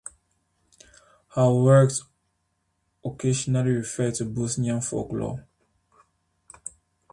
Her works occasionally refer to Bosnian folklore.